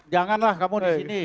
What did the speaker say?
janganlah kamu di sini